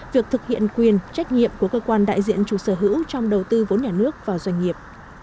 việc thực hiện quyền trách nhiệm của cơ quan đại diện chủ sở hữu trong đầu tư vốn nhà nước vào doanh nghiệp